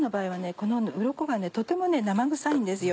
このうろこがとても生臭いんですよ。